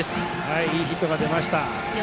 いいヒットが出ました。